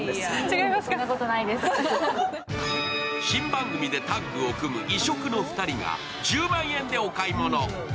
新番組でタッグを組む異色の２人が１０万円でお買い物。